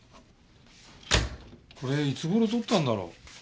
これいつ頃撮ったんだろう？